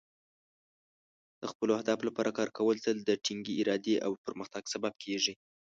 د خپلو اهدافو لپاره کار کول تل د ټینګې ارادې او پرمختګ سبب کیږي.